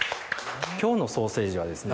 今日のソーセージはですね